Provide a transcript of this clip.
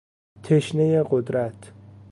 تشنهی قدرت